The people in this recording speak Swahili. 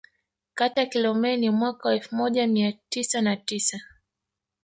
Kata ya Kilomeni mwaka wa elfu moja mia tisa na tisa